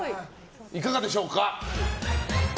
いかがでしょうか？